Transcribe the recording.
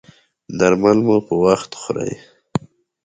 درمل مو په وخت خورئ؟